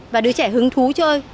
và đứa trẻ hứng thú chơi